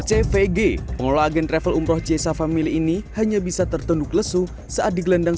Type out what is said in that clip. cvg pengelola agen travel umroh jasa family ini hanya bisa tertunduk lesu saat digelandang